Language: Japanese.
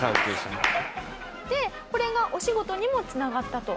でこれがお仕事にも繋がったと？